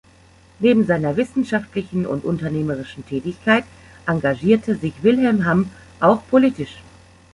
Neben seiner wissenschaftlichen und unternehmerischen Tätigkeit engagierte sich Wilhelm Hamm auch politisch.